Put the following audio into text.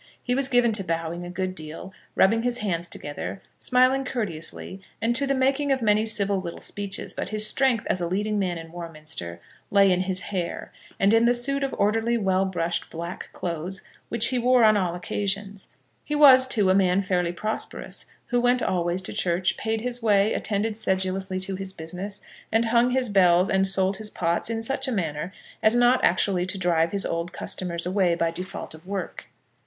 He was given to bowing a good deal, rubbing his hands together, smiling courteously, and to the making of many civil little speeches; but his strength as a leading man in Warminster lay in his hair, and in the suit of orderly well brushed black clothes which he wore on all occasions. He was, too, a man fairly prosperous, who went always to church, paid his way, attended sedulously to his business, and hung his bells, and sold his pots in such a manner as not actually to drive his old customers away by default of work.